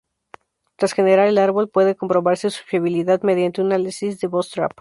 Tras generar el árbol, puede comprobarse su fiabilidad mediante un análisis de "bootstrap".